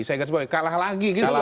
saya lihat sebagai kalah lagi gitu loh